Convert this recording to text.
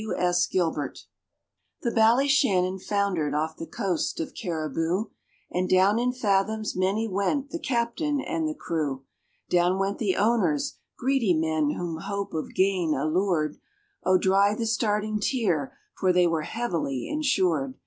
W. S. GILBERT. The Ballyshannon foundered off the coast of Cariboo, And down in fathoms many went the captain and the crew; Down went the owners greedy men whom hope of gain allured: Oh, dry the starting tear, for they were heavily insured.